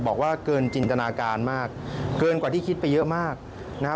บอกว่าเกินจินตนาการมากเกินกว่าที่คิดไปเยอะมากนะครับ